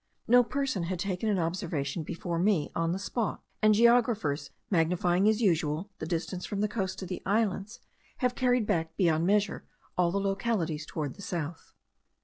No person had taken an observation before me on this spot; and geographers, magnifying as usual the distance from the coast to the islands, have carried back beyond measure all the localities towards the south.